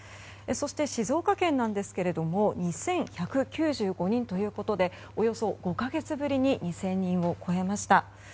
そして、静岡県なんですが２１９５人ということでおよそ５か月ぶりに２０００人を超えました。